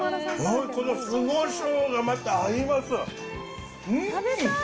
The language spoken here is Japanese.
この酢こしょうがまた合います。